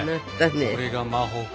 これが魔法か。